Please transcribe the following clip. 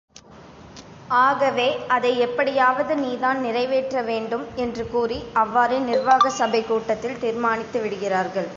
ஆகவே அதை எப்படியாவது நீதான் நிறைவேற்ற வேண்டும்! என்று கூறி, அவ்வாறே, நிர்வாக சபைக் கூட்டத்தில் தீர்மானித்து விட்டார்கள்!